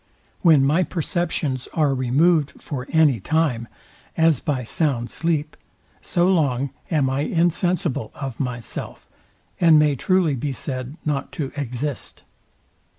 When my perceptions are removed for any time, as by sound sleep; so long am I insensible of myself, and may truly be said not to exist.